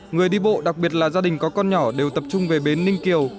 người đi bộ đặc biệt là gia đình có con nhỏ đều tập trung về bến ninh kiều